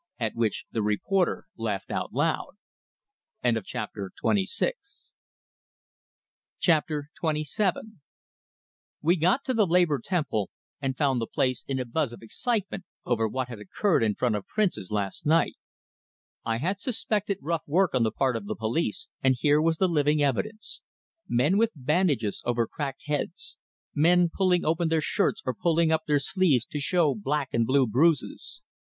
At which the reporter laughed out loud. XXVII We got to the Labor Temple, and found the place in a buzz of excitement, over what had occurred in front of Prince's last night. I had suspected rough work on the part of the police, and here was the living evidence men with bandages over cracked heads, men pulling open their shirts or pulling up their sleeves to show black and blue bruises.